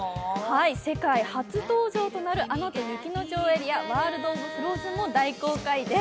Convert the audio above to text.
世界初登場となる「アナと雪の女王」や「ワールド・オブ・フローズン」も大公開です。